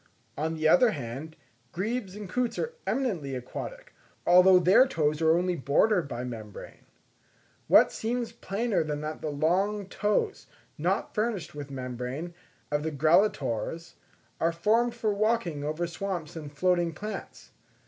On the other hand, grebes and coots are eminently aquatic, although their toes are only bordered by membrane. What seems plainer than that the long toes, not furnished with membrane, of the Grallatores, are formed for walking over swamps and floating plants.